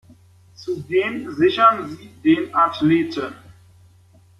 Zudem sichern sie den Athleten.